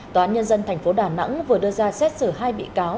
tòa án nhân dân tp đà nẵng vừa đưa ra xét xử hai bị cáo